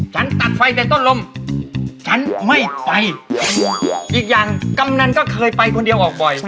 ฉันไม่ไปอีกอย่างกำนันต์ก็เคยไปคนเดียวออกบ่อย